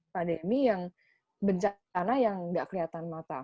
pandemi yang bencana yang tidak kelihatan mata